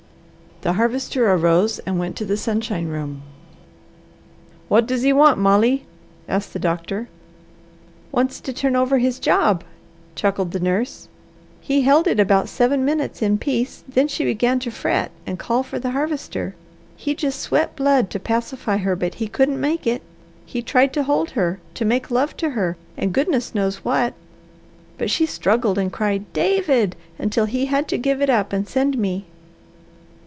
The Harvester arose and went to the sunshine room. "What does he want, Molly?" asked the doctor. "Wants to turn over his job," chuckled the nurse. "He held it about seven minutes in peace, and then she began to fret and call for the Harvester. He just sweat blood to pacify her, but he couldn't make it. He tried to hold her, to make love to her, and goodness knows what, but she struggled and cried, 'David,' until he had to give it up and send me."